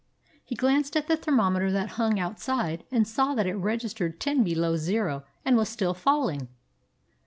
He glanced at the thermometer that hung out side and saw that it registered ten below zero and was still falling.